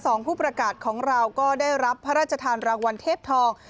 ผู้ประกาศของเราก็ได้รับพระราชทานรางวัลเทพทอง